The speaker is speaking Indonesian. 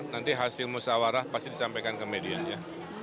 nanti hasil musawarah pasti disampaikan ke medianya